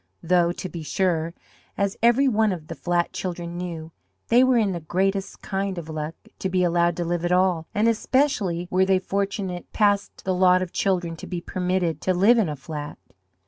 Though, to be sure as every one of the flat children knew they were in the greatest kind of luck to be allowed to live at all, and especially were they fortunate past the lot of children to be permitted to live in a flat.